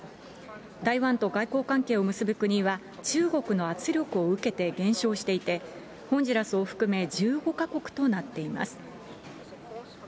台湾と外交関係を結ぶ国は、中国の圧力を受けて減少していて、ホンジュラスを含め１５か国となっています。